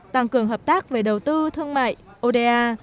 tăng cường hợp tác về đầu tư thương mại oda